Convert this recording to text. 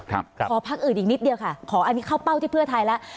ขอพักอื่นอีกนิดเดียวค่ะขออันนี้เข้าเป้าที่เพื่อไทยแล้ว